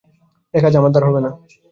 এ কাজ আমার দ্বারা হবে না।